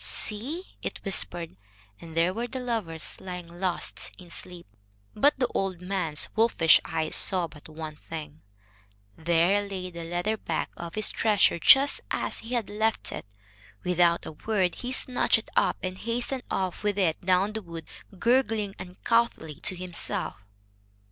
"See," it whispered, and there were the lovers, lying lost in sleep. But the old man's wolfish eyes saw but one thing. There lay the leather bag of his treasure just as he had left it. Without a word, he snatched it up and hastened off with it down the wood, gurgling uncouthly to himself.